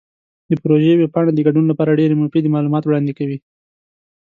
د پروژې ویب پاڼه د ګډون لپاره ډیرې مفیدې معلومات وړاندې کوي.